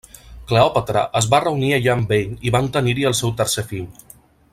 Cleòpatra es va reunir allà amb ell i van tenir-hi el seu tercer fill.